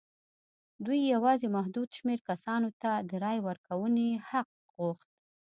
دوی یوازې محدود شمېر کسانو ته د رایې ورکونې حق غوښت.